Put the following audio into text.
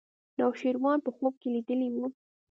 نوشیروان په خوب کې لیدلی و.